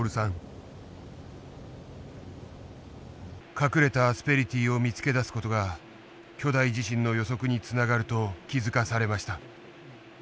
隠れたアスペリティーを見つけ出す事が巨大地震の予測につながると気付かされました。